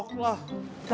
lah terus itu gak dikira